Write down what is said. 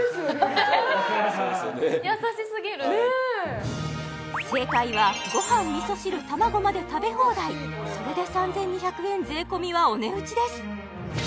優しすぎるねえ正解はごはん味噌汁卵まで食べ放題それで３２００円税込はお値打ちです